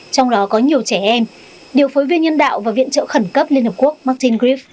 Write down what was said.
trong đó có nhiều trẻ em điều phối viên nhân đạo và viện trợ khẩn cấp liên hợp quốc martin griff